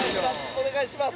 お願いします